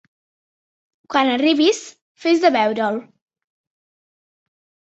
Quan arribis, fes de veure'l.